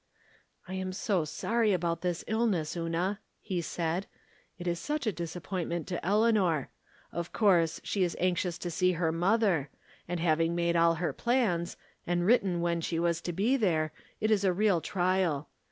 "I am so sorry about this illness, Una," he said. " It is such a disappointment to El eanor. Of course she is anxious to see her mother ; and having made all her plans, and written when she was to be there, it is a real trial.